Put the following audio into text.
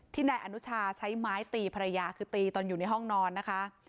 นายอนุชาใช้ไม้ตีภรรยาคือตีตอนอยู่ในห้องนอนนะคะ